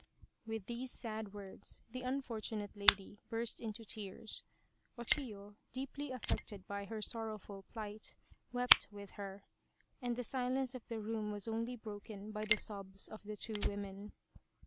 With these sad words the unfortunate lady burst into tears ; O Chiyo, deeply affected by her sorrowful plight, wept with her, and the silence of the room was only broken by the sobs of the two women.